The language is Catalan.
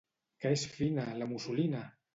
Que és fina, la mussolina!